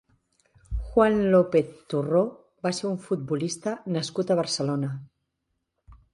Juan López Turró va ser un futbolista nascut a Barcelona.